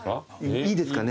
いいですかね。